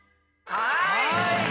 はい！